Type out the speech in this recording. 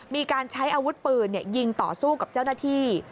มีการใช้อาวุธปืนยิงต่อสู้กับเจ้าหน้าที่